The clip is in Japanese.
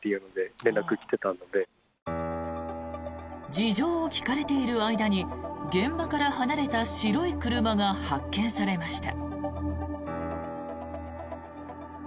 事情を聴かれている間に現場から離れた白い車が発見されました。